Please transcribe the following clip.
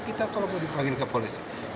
kita kalau mau dipanggil ke polisi